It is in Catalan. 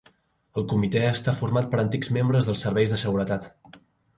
El comitè està format per antics membres dels serveis de seguretat.